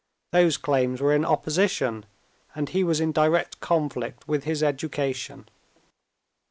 Those claims were in opposition, and he was in direct conflict with his education.